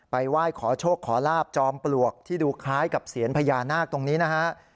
ไหว้ขอโชคขอลาบจอมปลวกที่ดูคล้ายกับเสียญพญานาคตรงนี้นะฮะ